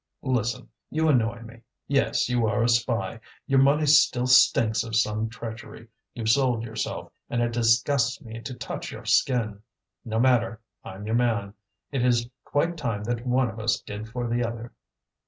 "Listen! You annoy me. Yes, you are a spy; your money still stinks of some treachery. You've sold yourself, and it disgusts me to touch your skin. No matter; I'm your man. It is quite time that one of us did for the other."